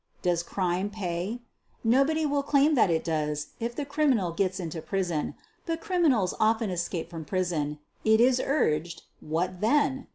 Does crime pay? Nobody will claim that it does if the criminal gets into prison. But criminals often escape from prison, it is urged — what then?